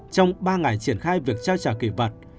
trong ba ngày triển khai việc trao trả kỷ vật